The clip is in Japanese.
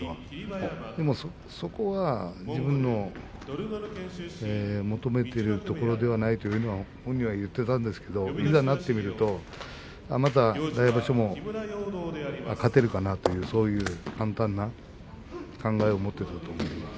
そこは自分の求めているところではないと本人は言っていたんですがいざなってみるとまた来場所も勝てるかなという簡単な考えを持っていたと思います。